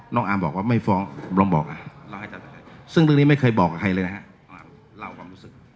น้องอาร์มบอกว่าไม่ฟ้องลองบอกซึ่งเรื่องนี้ไม่เคยบอกกับใครเลยนะครับ